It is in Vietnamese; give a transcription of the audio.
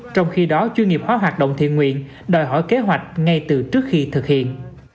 trong khi đó chuyên nghiệp hóa hoạt động thiện nguyện đòi hỏi kế hoạch ngay từ trước khi thực hiện